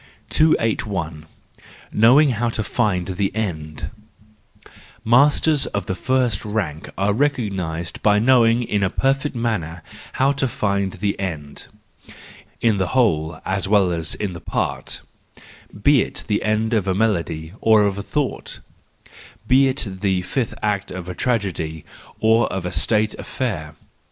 218 THE JOYFUL WISDOM, IV 281. Knowing how to Find the End \—Masters of the first rank are recognised by knowing in a perfect manner how to find the end, in the whole as well as in the part; be it the end of a melody or of a thought, be it the fifth act of a tragedy or of a state affair.